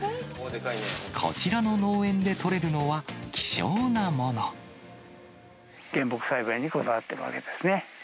こちらの農園で採れるのは、原木栽培にこだわっているわけですね。